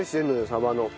サバの。